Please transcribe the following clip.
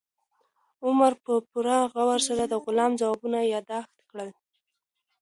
عمر په پوره غور سره د غلام ځوابونه یاداښت کړل.